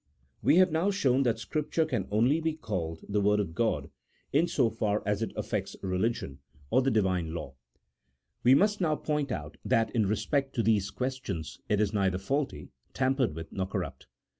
We have now shown that Scripture can only be called 172 A THEOLOGICO POLITICAL TEEATISE. [CHAP. XII. the Word of God in so far as it affects religion, or the Divine law ; we must now point out that, in respect to these ques tions, it is neither faulty, tampered with, nor corrupt.